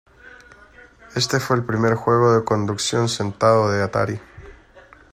Este fue el primer juego de conducción sentado de Atari.